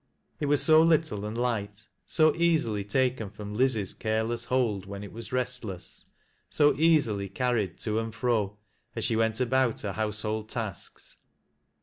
It was so little and light, so easily taken from Liz's careless hold when it was i estless, so easily carried to and fro, as she went about hei household tasks.